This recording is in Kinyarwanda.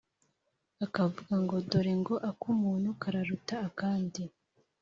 akavuga ngo «dore ngo ak'umuntu kararuta akandi!